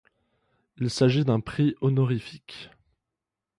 Il s'agit d'un prix honorifique.